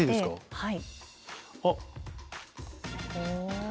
はい。